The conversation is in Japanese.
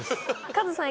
カズさん